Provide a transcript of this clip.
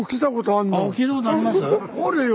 あるよ。